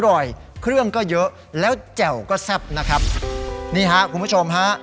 อร่อยเครื่องก็เยอะแล้วแจ่วก็แซ่บนะครับนี่ฮะคุณผู้ชมฮะ